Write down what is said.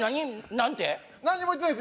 何にも言ってないっす